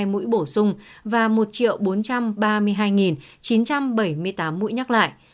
hai trăm năm mươi năm tám trăm một mươi hai mũi bổ sung và một bốn trăm ba mươi hai chín trăm bảy mươi tám mũi nhắc lại